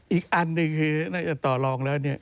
อีกอันหนึ่งคือน่าจะต่อลองแล้วเนี่ย